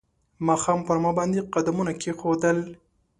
ماښام پر ما باندې قدمونه کښېښول